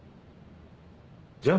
じゃあ